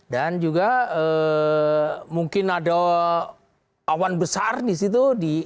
dan juga mungkin ada awan besar di situ